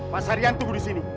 pak sarian tunggu di sini